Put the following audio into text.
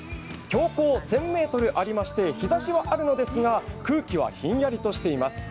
標高１０００ｍありまして、日ざしはあるのですが、空気はひんやりとしています。